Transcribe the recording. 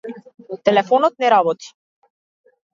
Телефонот не работи.